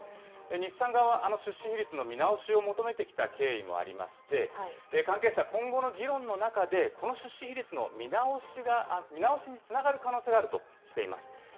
日産側が出資比率の見直しを求めてきた経緯もありまして、関係者、今後の議論の中で、この出資比率の見直しにつながる可能性があるとしています。